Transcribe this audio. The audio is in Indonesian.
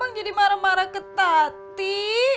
abang jadi marah marah ke tati